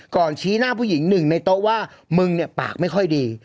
ชี้หน้าผู้หญิงหนึ่งในโต๊ะว่ามึงเนี่ยปากไม่ค่อยดี